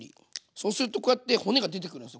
そうするとこうやって骨が出てくるんですよ